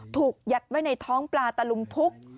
ถูกยัดไว้ในท้องปลาตะลุมพุก